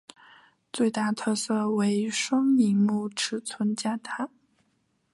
最大特色为双萤幕尺寸加大。